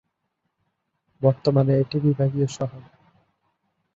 বর্তমানে এটি বিভাগীয় শহর।